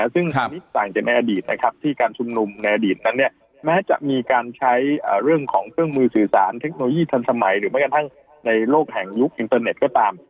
ซึ่งอันนี้ต่างจากในอดีตนะครับที่การชุมนุมในอดีตนั้นแม้จะมีการใช้เรื่องของเครื่องมือสื่อสารเทคโนโลยีทันสมัยหรือแม้กระทั่งในโลกแห่งยุคอินเตอร์เน็ตก็ตาม